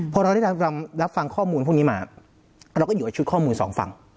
พอเราได้รับฟังข้อมูลพวกนี้มาเราก็อยู่กับชุดข้อมูลสองฝั่ง